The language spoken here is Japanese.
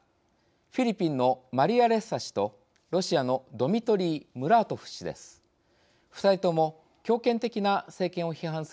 フィリピンのマリア・レッサ氏とロシアのドミトリー・ムラートフ氏です。